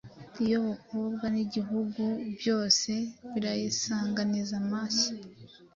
Iyobokwa n'ibihugu byose, Birayisanganiza amashyi.